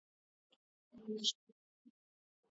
El que sema xunto, nin na tierra nin en payar.